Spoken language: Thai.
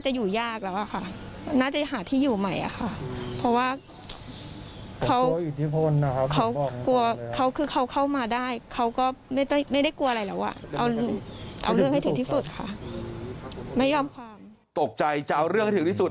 ตกใจจะเอาเรื่องให้ถึงที่สุด